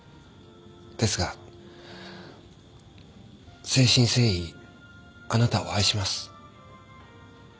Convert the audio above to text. ですが誠心誠意あなたを愛します。